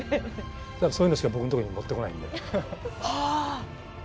そういうものしか僕のとこには持ってこないので。